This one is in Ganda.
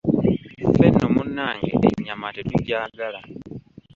Ffe nno munange ennyama tetugyagala.